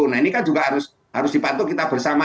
nah ini kan juga harus dibantu kita bersama